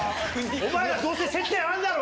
⁉お前らどうせ接点あるだろ！